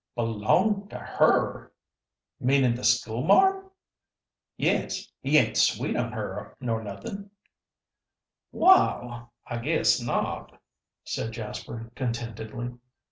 "B'long to her? Meanin' the schoolmarm?" "Yes; he ain't sweet on her nor nothin'?" "Wal, I guess not," said Jasper, contentedly.